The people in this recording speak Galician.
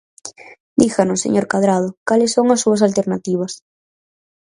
Díganos, señor Cadrado, ¿cales son as súas alternativas?